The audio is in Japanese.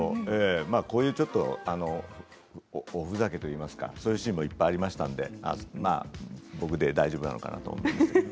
こういう、おふざけというかそういうシーンもいっぱいあったので僕で大丈夫だったのかなと。